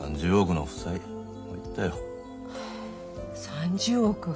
３０億